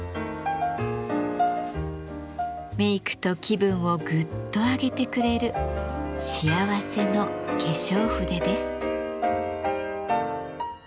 メイクと気分をグッと上げてくれる幸せの化粧筆です。